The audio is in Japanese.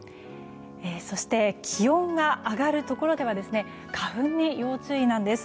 そして気温が上がるところでは花粉に要注意なんです。